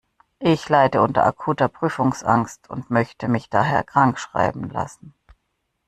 Ich leide unter akuter Prüfungsangst und möchte mich daher krankschreiben lassen.